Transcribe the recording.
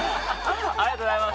ありがとうございます。